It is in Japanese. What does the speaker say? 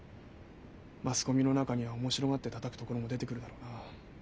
マスコミの中には面白がってたたくところも出てくるだろうな。